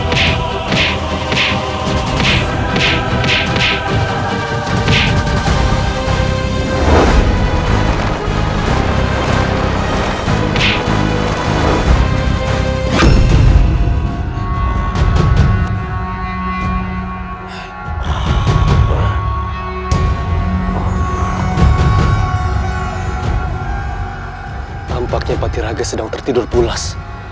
tampaknya patiraga sedang tertidur pulas